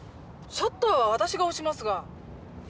シャッターは私が押しますが。